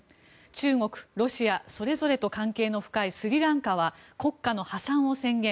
中国、ロシアそれぞれと関係の深いスリランカは国家の破産を宣言。